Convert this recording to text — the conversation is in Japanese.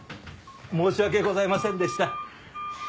申し訳ございませんでした。